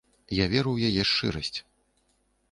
Я веру ў яе шчырасць.